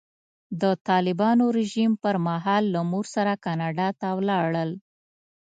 د طالبانو رژیم پر مهال له مور سره کاناډا ته ولاړل.